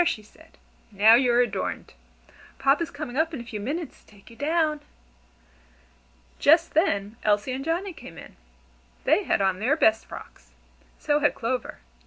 she said, "now you're adorned. Papa is coming up in a few minutes to take you down." Just then Elsie and Johnnie came in. They had on their best frocks. So had Clover.